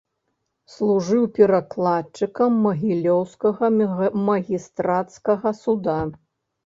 Служыў перакладчыкам магілёўскага магістрацкага суда.